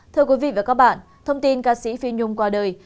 thưa quý vị và các bạn thông tin ca sĩ phi nhung qua đời